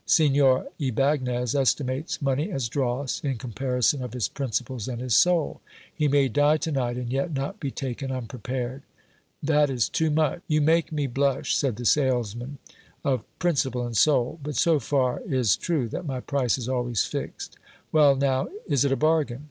Signor Ybagnez estimates money as dross, in comparison of his principles and his soul. He may die to night, and yet not be taken unprepared ! That is too much ! You make me blush, said the salesman of principle and soul ; but so far is true, that my price is always fixed. Well, now, is it a bargain